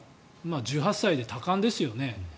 １８歳で多感ですよね。